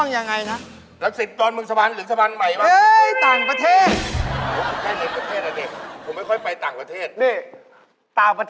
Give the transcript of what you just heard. เยอรมันสะพานเหลืองสะพานขาวแรก